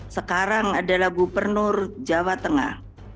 sekarang adalah gubernur jawa tengah